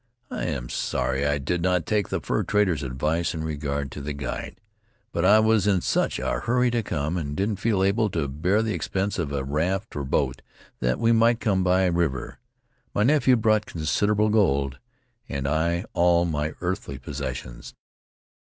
I am sorry I did not take the fur trader's advice in regard to the guide. But I was in such a hurry to come, and didn't feel able to bear the expense of a raft or boat that we might come by river. My nephew brought considerable gold, and I all my earthly possessions."